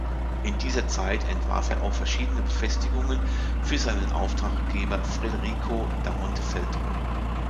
In dieser Zeit entwarf er auch verschiedene Befestigungen für seinen Auftraggeber Federico da Montefeltro.